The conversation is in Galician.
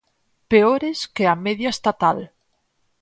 Peores que a media estatal.